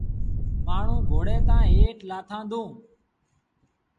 مآڻهآݩ گھوڙي تآݩ هيٺ لآٿآݩدون۔